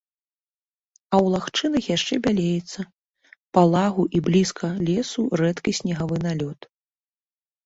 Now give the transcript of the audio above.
А ў лагчынах яшчэ бялеецца, па лагу і блізка лесу, рэдкі снегавы налёт.